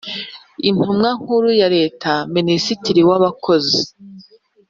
Intumwa Nkuru ya Leta Minisitiri w Abakozi